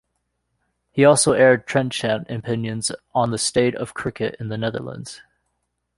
He also aired trenchant opinions on the state of cricket in the Netherlands.